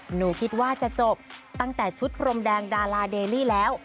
หนูคิดว่าจะจบตั้งแต่ชุดพรมแดงดาราเดลลี่แล้ว